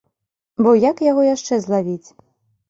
Бо як яго яшчэ злавіць?